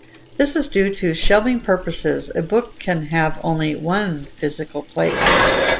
This is due to shelving purposes: A book can have only one physical place.